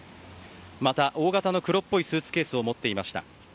また、大型の黒っぽいスーツケースを持っていました。